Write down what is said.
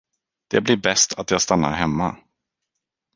Det blir bäst, att jag stannar hemma.